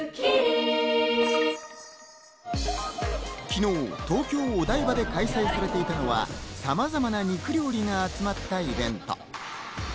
昨日、東京・お台場で開催されていたのは、さまざまな肉料理が集まったイベント。